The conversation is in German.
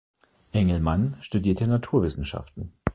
Engelmann studierte Naturwissenschaften.